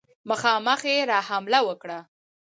مخامخ یې را حمله وکړه.